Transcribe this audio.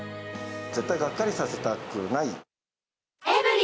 絶対がっかりさせたくない。